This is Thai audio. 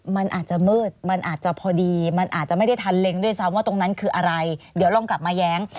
มันอาจจะมืดมันอาจจะพอดีมันอาจจะไม่ได้ทันเล็งด้วยซ้ำว่าตรงนั้นคืออะไรเดี๋ยวลองกลับมาแย้ง